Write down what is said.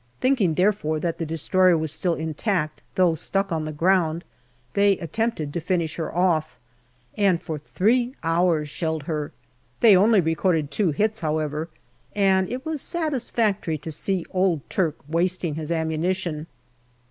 Thinking, therefore, that the destroyer was still intact, though stuck on the ground, they attempted to finish her off, and for three hours shelled her. They only recorded two hits, however, and it was satisfactory to see old Turk wasting his ammunition.